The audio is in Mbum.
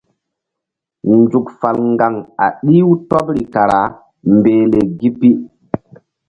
Nzuk fal ŋgaŋ a ɗih-u tɔbri kara mbehle gi pi.